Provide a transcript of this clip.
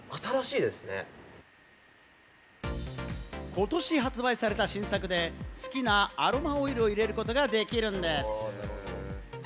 今年発売された新作で好きなアロマオイルを入れることができるんです。